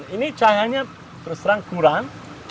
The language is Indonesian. ini cahayanya terserang kurang